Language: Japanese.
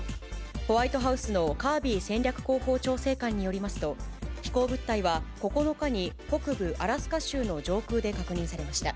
ホワイトハウスのカービー戦略広報調整官によりますと、飛行物体は９日に北部アラスカ州の上空で確認されました。